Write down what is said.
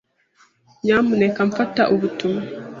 Nyamuneka mfata ubutumwa.